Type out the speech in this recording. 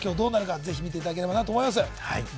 どうなるか見ていただければなと思います。